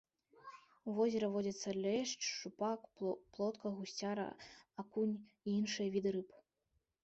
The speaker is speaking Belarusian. У возеры водзяцца лешч, шчупак, плотка, гусцяра, акунь і іншыя віды рыб.